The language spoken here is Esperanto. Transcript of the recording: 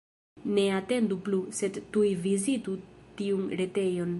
Ne atendu plu, sed tuj vizitu tiun retejon!